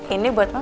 ini buat mama